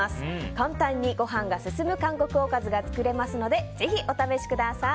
簡単にご飯が進む韓国おかずが作れますのでぜひお試しください。